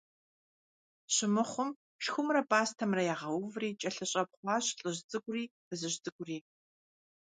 Щымыхъум – шхумрэ пӀастэмрэ ягъэуври кӀэлъыщӀэпхъуащ лӀыжь цӀыкӀури фызыжь цӀыкӀури.